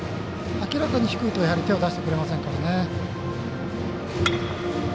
明らかに低いと手を出してくれませんからね。